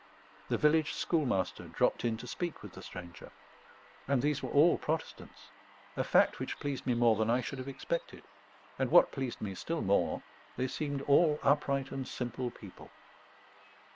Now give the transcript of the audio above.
The village schoolmaster dropped in to speak with the stranger. And these were all Protestants a fact which pleased me more than I should have expected; and, what pleased me still more, they seemed all upright and simple people.